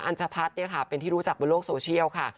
ัญชพัฒน์เป็นที่รู้จักบนโลกโซเชียลค่ะ